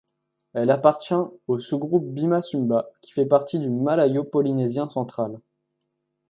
Elle appartient au sous-groupe bima-sumba qui fait partie du malayo-polynésien central.